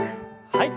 はい。